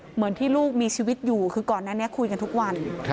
เหมือนที่ลูกมีชีวิตอยู่คือก่อนหน้านี้คุยกันทุกวัน